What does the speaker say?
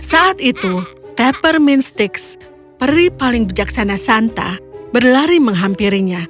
saat itu peppermin sticks peri paling bijaksana santa berlari menghampirinya